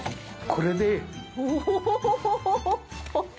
これで。